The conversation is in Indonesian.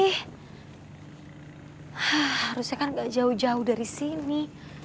hah harusnya kan gak jauh jauh dari sini